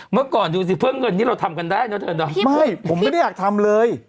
เมื่อก่อนดูสิเพื่อเงินนี้เราทำกันได้เนอะเธอเนาะไม่ผมไม่ได้อยากทำเลย